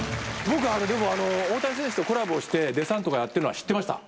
僕でも大谷選手とコラボしてデサント」がやってるのは知ってました。